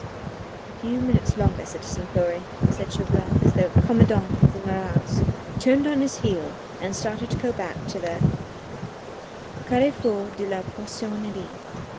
"A few minutes longer, citizen Fleury," said Chauvelin, as the commandant of the Marats turned on his heel and started to go back to the Carrefour de la Poissonnerie.